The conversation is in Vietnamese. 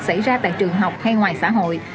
xảy ra tại trường học hay ngoài xã hội